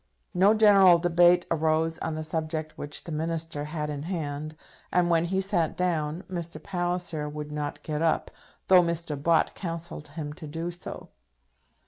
No general debate arose on the subject which the Minister had in hand, and when he sat down, Mr. Palliser would not get up, though Mr. Bott counselled him to do so.